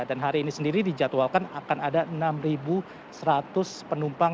dan hari ini sendiri dijadwalkan akan ada enam seratus penumpang